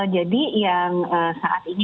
jadi yang saat ini